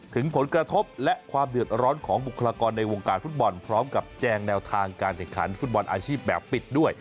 ถึงผลกระทบและความเดือดร้อนของบุคลากรในวงการฟุตบอลพร้อมกับแจงแนวทางการแข่งขันฟุตบอลอาชีพแบบปิดด้วย